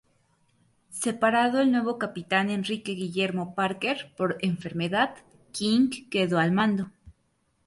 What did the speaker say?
Separado el nuevo capitán Enrique Guillermo Parker por enfermedad, King quedó al mando.